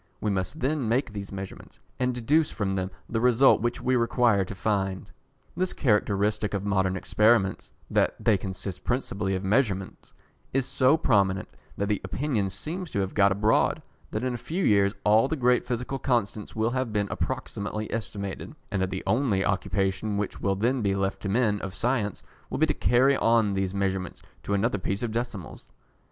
We must then make these measurements, and deduce from them the result which we require to find. This characteristic of modern experiments that they consist principally of measurements, is so prominent, that the opinion seems to have got abroad, that in a few years all the great physical constants will have been approximately estimated, and that the only occupation which will then be left to men of science will be to carry on these measurements to another place of decimals.